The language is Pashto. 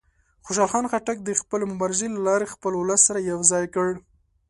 خوشحال خان خټک د خپلې مبارزې له لارې خپل ولس سره یو ځای کړ.